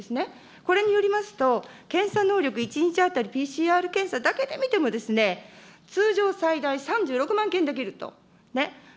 これによりますと、検査能力１日当たりＰＣＲ検査だけで見ても、通常、最大３６万件できると、ね。